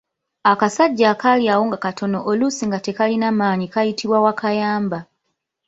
Akasajja akali awo nga katono oluusi nga tekalina maanyi kayitibwa Wakayamba.